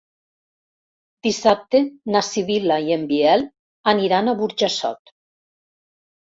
Dissabte na Sibil·la i en Biel aniran a Burjassot.